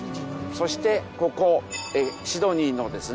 そしてここシドニーのですね土地。